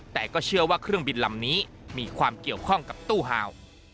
แต่ก็เชื่อว่าเครื่องบินลำนี้มีความเกี่ยวข้องกับตู้ฮาว